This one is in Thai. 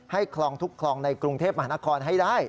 คลองทุกคลองในกรุงเทพมหานครให้ได้